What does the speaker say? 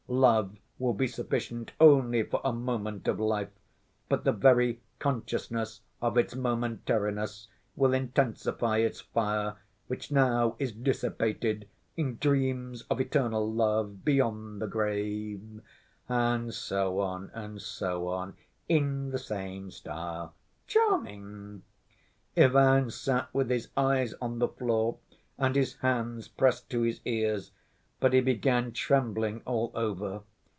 Love will be sufficient only for a moment of life, but the very consciousness of its momentariness will intensify its fire, which now is dissipated in dreams of eternal love beyond the grave'... and so on and so on in the same style. Charming!" Ivan sat with his eyes on the floor, and his hands pressed to his ears, but he began trembling all over.